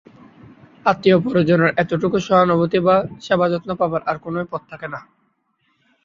আত্মীয়-পরিজনের এতটুকু সহানুভূতি বা সেবাযত্ন পাবার আর কোনোই পথ থাকে না।